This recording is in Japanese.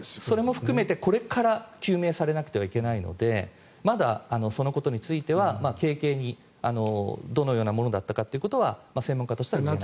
それも含めて、これから究明されなくてはいけないのでまだそのことについては軽々にどのようなものだったかということは専門家としては。